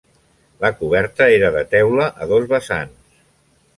La coberta era de teula a dos vessants.